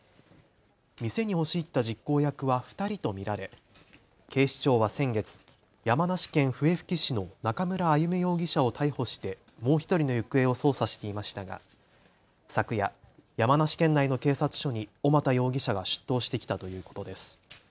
店に押し入った実行役は２人と見られ、警視庁は先月、山梨県笛吹市の中村歩武容疑者を逮捕してもう１人の行方を捜査していましたが昨夜、山梨県内の警察署に小俣容疑者が出頭してきたということです。